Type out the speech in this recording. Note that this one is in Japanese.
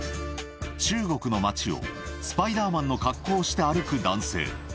中国の町をスパイダーマンの格好をして歩く男性